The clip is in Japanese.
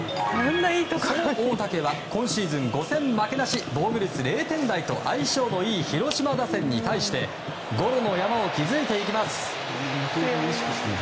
その大竹は今シーズン５戦負けなし、防御率０点台と相性のいい広島打線に対してゴロの山を築いていきます。